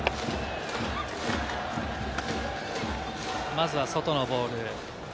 まずは外のボール。